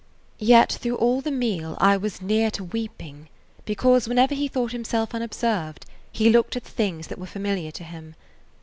Yet all through the meal I was near to weeping, because whenever he thought himself unobserved he looked at the things that were familiar to him.